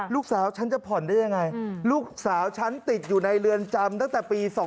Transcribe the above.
ฉันจะผ่อนได้ยังไงลูกสาวฉันติดอยู่ในเรือนจำตั้งแต่ปี๒๕๖